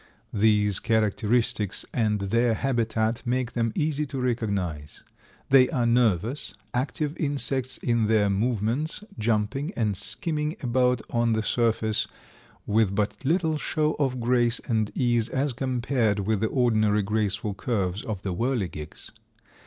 These characteristics and their habitat make them easy to recognize. They are nervous, active insects in their movements, jumping and skimming about on the surface with but little show of grace and ease as compared with the ordinary graceful curves of the whirligigs.